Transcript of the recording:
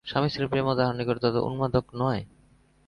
স্বামী-স্ত্রীর প্রেমও তাঁহার নিকট তত উন্মাদক নয়।